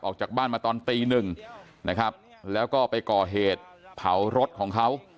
ออกจากบ้านมาตอนตีหนึ่งนะครับแล้วก็ไปก่อเหตุเผารถของเขา